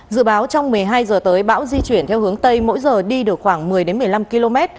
dự báo trong một mươi hai h tới bão di chuyển theo hướng tây mỗi giờ đi được khoảng một mươi một mươi năm km